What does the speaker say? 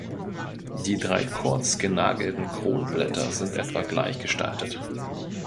Die drei kurz genagelten Kronblätter sind etwa gleich gestaltet.